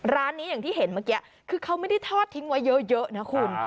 ร้านนี้อย่างที่เห็นเมื่อกี้คือเขาไม่ได้ทอดทิ้งไว้เยอะนะคุณ